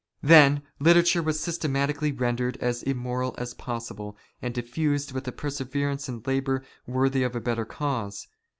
Then literature was systematically rendered as immoral as possible,, and diffused with a perseverance and labour worthy of a better cause.